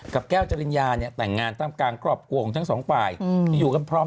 กับแก้วเจริญญาแต่งงานตามกลางกรอบกวงทั้งสองฝ่าย